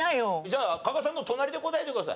じゃあ加賀さんの隣で答えてください。